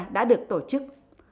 đã được tổ chức